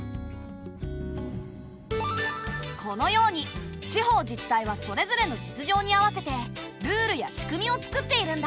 このように地方自治体はそれぞれの実情に合わせてルールや仕組みを作っているんだ。